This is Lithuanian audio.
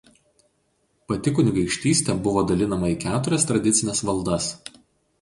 Pati kunigaikštystė buvo dalinama į keturias tradicines valdas.